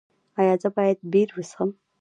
ایا زه باید بیر وڅښم؟